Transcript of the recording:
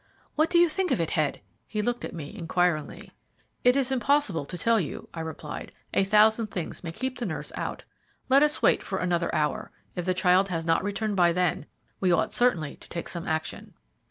"What do you think of it, Head?" He looked at me inquiringly. "It is impossible to tell you," I replied; "a thousand things may keep the nurse out. Let us wait for another hour. If the child has not returned by then, we ought certainly to take some action."